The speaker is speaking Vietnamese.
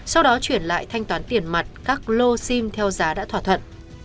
sau đó chuyển lại thanh toán tiền mặt các lô sim theo giá đã thỏa thuận